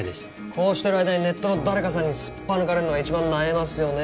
こうしてる間にネットの誰かさんにすっぱ抜かれんのが一番なえますよね。